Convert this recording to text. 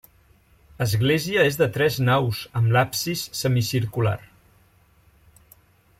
Església és de tres naus amb l'absis semicircular.